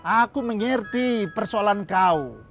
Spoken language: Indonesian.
aku mengerti persoalan kau